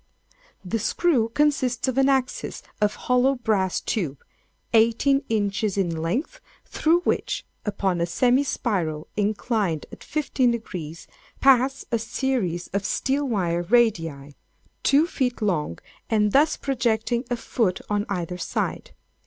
"The screw consists of an axis of hollow brass tube, eighteen inches in length, through which, upon a semi spiral inclined at fifteen degrees, pass a series of steel wire radii, two feet long, and thus projecting a foot on either side.